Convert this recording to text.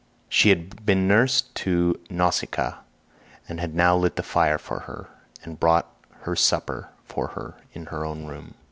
57 She had been nurse to Nausicaa, and had now lit the fire for her, and brought her supper for her into her own room.